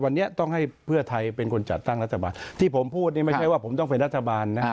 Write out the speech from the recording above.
วันนี้ต้องให้เพื่อไทยเป็นคนจัดตั้งรัฐบาลที่ผมพูดนี่ไม่ใช่ว่าผมต้องเป็นรัฐบาลนะ